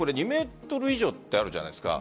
２ｍ以上ってあるじゃないですか。